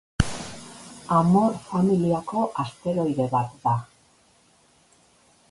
Amor familiako asteroide bat da.